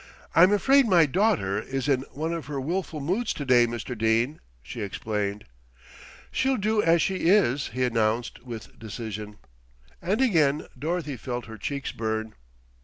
"I'm afraid my daughter is in one of her wilful moods to day, Mr. Dene," she explained. "She'll do as she is," he announced with decision And again Dorothy felt her cheeks burn.